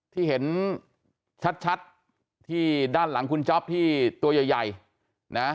ที่เห็นชัดที่ด้านหลังคุณจ๊อปที่ตัวใหญ่นะ